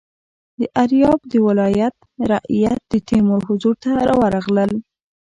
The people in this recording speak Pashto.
د ایریاب د ولایت رعیت د تیمور حضور ته ورغلل.